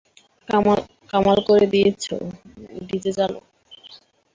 কামাল করে দিয়েছ, ডিজে চ্যালো!